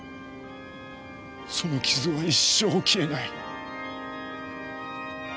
その傷は一生消えない。